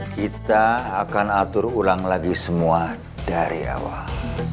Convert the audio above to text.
kita akan atur ulang lagi semua dari awal